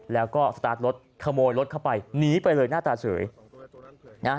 แล้วก็สตาร์ทรถขโมยรถเข้าไปหนีไปเลยหน้าตาเฉยนะ